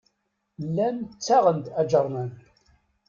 Llan ttaɣen-d aǧernan.